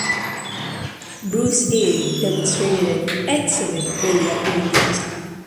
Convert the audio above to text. Bruce A demonstrated an "excellent" early operating history.